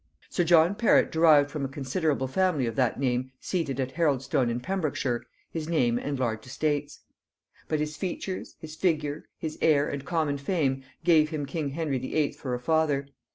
Sir John Perrot derived from a considerable family of that name seated at Haroldstone in Pembrokeshire, his name and large estates; but his features, his figure, his air, and common fame, gave him king Henry VIII. for a father.